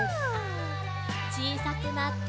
ちいさくなって。